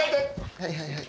はいはいはい。